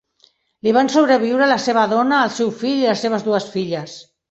Li van sobreviure la seva dona, el seu fill i les seves dues filles.